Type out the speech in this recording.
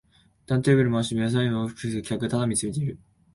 ターンテーブル回して腕を左右に大きく振って盛りあげる姿を客はただ見つめている